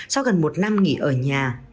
sau gần một năm nghỉ ở nhà